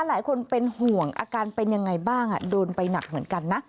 หลายคนเป็นห่วงอาการเป็นยังไงบ้างโดนไปหนักเหมือนกันนะ